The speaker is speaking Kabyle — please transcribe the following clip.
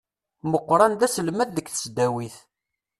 Meqran d aselmad deg tesdawit.